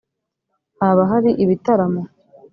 haba hari ibitaramo?